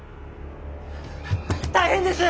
大変です！